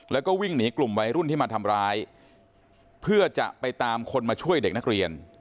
แล้วก็วิ่งหนีกลุ่มวัยรุ่นที่มาทำร้ายเพื่อจะไปตามคนมาช่วยเด็กนักเรียน